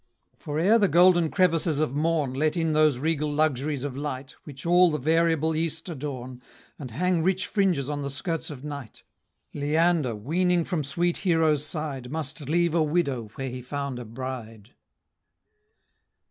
For ere the golden crevices of morn Let in those regal luxuries of light, Which all the variable east adorn, And hang rich fringes on the skirts of night, Leander, weaning from sweet Hero's side, Must leave a widow where he found a bride.